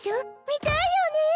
見たいよね？